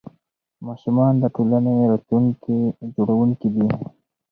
ماشومان د ټولنې راتلونکي جوړونکي دي.